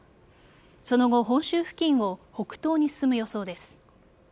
その後本州付近を北東に進む予想です。